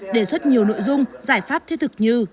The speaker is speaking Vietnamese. đề xuất nhiều nội dung giải pháp thiết thực như